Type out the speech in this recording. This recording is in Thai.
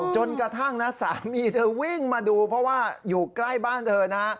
จนกระทั่งนะสามีเธอวิ่งมาดูเพราะว่าอยู่ใกล้บ้านเธอนะ